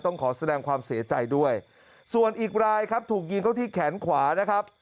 ขอแสดงความเสียใจด้วยส่วนอีกรายครับถูกยิงเข้าที่แขนขวานะครับ